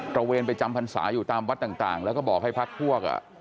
ระเวนไปจำพรรษาอยู่ตามวัดต่างแล้วก็บอกให้พักพวก